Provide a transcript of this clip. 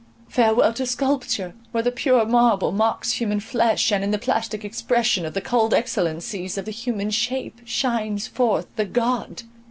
—farewell to sculpture, where the pure marble mocks human flesh, and in the plastic expression of the culled excellencies of the human shape, shines forth the god!